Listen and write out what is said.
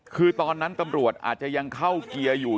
คือตอนนั้นตำรวจอาจจะยังเข้าเกียร์อยู่